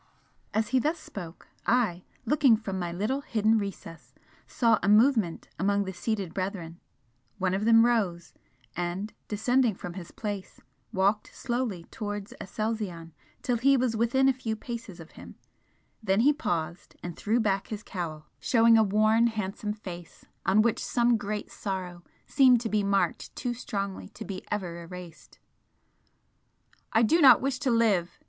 As he thus spoke, I, looking from my little hidden recess, saw a movement among the seated brethren; one of them rose and descending from his place, walked slowly towards Aselzion till he was within a few paces of him then he paused, and threw back his cowl, showing a worn handsome face on which some great sorrow seemed to be marked too strongly to be ever erased. "I do not wish to live!"